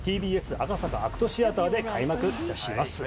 ＴＢＳ赤坂ＡＣＴシアターで開幕いたします